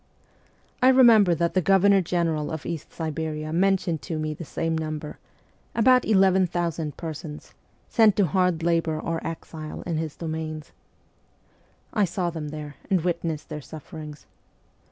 I remember that the Governor General of East Siberia mentioned to me the same number, about 11,000 persons', sent to hard labour or exile in his domains. I saw them there, and witnessed their suffer ings.